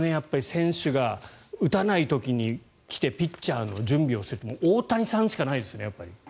選手が打たない時に来てピッチャーの準備をするって大谷さんしかないですね。